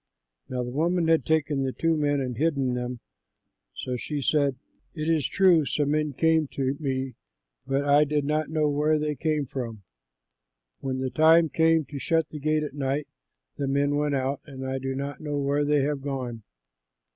Now the woman had taken the two men and hidden them; so she said, "It is true, some men came to me, but I did not know where they came from. When the time came to shut the gate at night, the men went out and I do not know where they have gone.